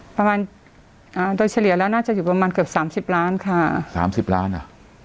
ประมาณอ่าโดยเฉลี่ยแล้วน่าจะอยู่ประมาณเกือบสามสิบล้านค่ะสามสิบล้านอ่ะ